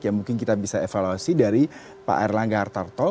yang mungkin kita bisa evaluasi dari pak erlangga hartarto